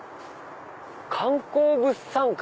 「観光物産館」。